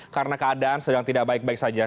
karena keadaan sedang tidak baik baik saja